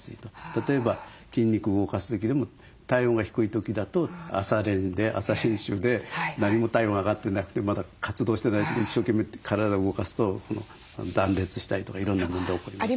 例えば筋肉動かす時でも体温が低い時だと朝練で何も体温上がってなくてまだ活動してない時に一生懸命体動かすと断裂したりとかいろんな問題起こりますね。